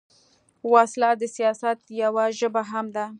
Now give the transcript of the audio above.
وسله د سیاست یوه ژبه هم ده